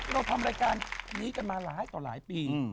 เราทำรายการนี้กันมาหลายต่อหลายปี